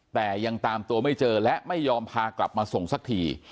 แต่ยังตามตัวไม่เจอและไม่ยอมพากลับมาส่งสักที